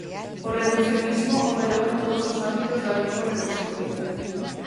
O reducionismo operou en todos os ámbitos da lingua reconstruída.